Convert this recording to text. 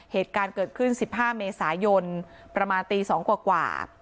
เหตุการณ์เกิดขึ้น๑๕เมษายนประมาณตี๒กว่า